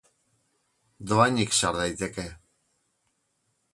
Dohainik sar daiteke.